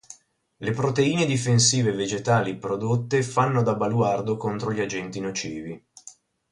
Le proteine difensive vegetali prodotte fanno da baluardo contro gli agenti nocivi.